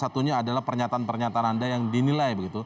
salah satunya adalah pernyataan pernyataan anda yang dinilai